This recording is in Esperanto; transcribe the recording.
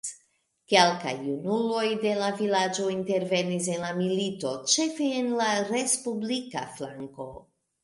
Kelkaj junuloj de la vilaĝo intervenis en la milito, ĉefe en la respublika flanko.